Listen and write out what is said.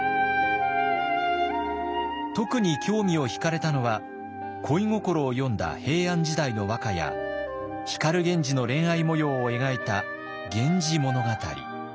特に興味を引かれたのは恋心を詠んだ平安時代の和歌や光源氏の恋愛もようを描いた「源氏物語」。